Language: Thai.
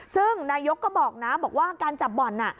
ซึ่งนายกก็บอกนะบอกว่าการจับบ่อน